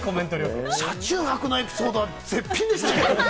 車中泊のエピソードは絶品でしたね。